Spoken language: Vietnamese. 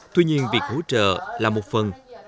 tuy nhiên việc hỗ trợ là một phần